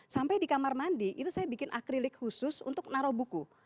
sampai di kamar mandi itu saya bikin akrilik khusus untuk naruh buku